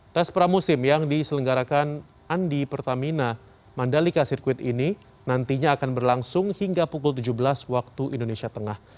tes pramusim yang diselenggarakan andi pertamina mandalika circuit ini nantinya akan berlangsung hingga pukul tujuh belas waktu indonesia tengah